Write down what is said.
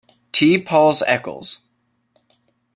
T. Paul's Eccles.